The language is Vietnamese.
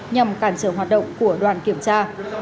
nhằm cản trở hoạt động của đoàn kiểm tra